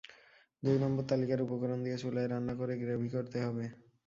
দুই নম্বর তালিকার উপকরণ দিয়ে চুলায় রান্না করে গ্রেভি করতে হবে।